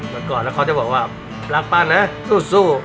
ก่อนแล้วเขาจะบอกว่ารักป้านะสู้